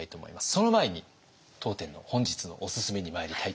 その前に当店の本日のおすすめにまいりたいと思います。